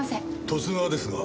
十津川ですが。